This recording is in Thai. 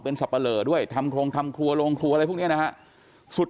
สับปะเหลอด้วยทำโครงทำครัวโรงครัวอะไรพวกนี้นะฮะสุด